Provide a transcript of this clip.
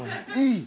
いい！